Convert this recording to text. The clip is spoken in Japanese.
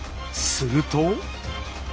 すると。